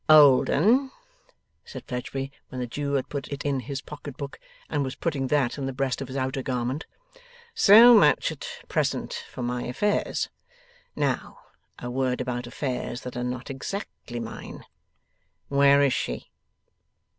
'Old 'un,' said Fledgeby, when the Jew had put it in his pocketbook, and was putting that in the breast of his outer garment; 'so much at present for my affairs. Now a word about affairs that are not exactly mine. Where is she?